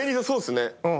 そうっすね。